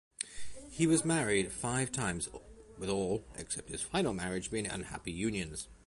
He was married five times, with all except his final marriage being unhappy unions.